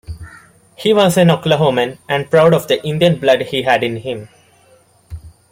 He was an Oklahoman and proud of the Indian blood he had in him.